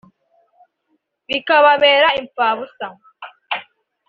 bikababera imfabusa